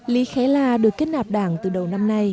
lý khé la được kết nạp đảng từ đầu năm nay